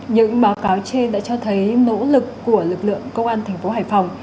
những báo cáo trên đã cho thấy nỗ lực của lực lượng công an thành phố hải phòng